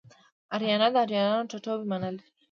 اریانا د اریایانو ټاټوبی مانا لري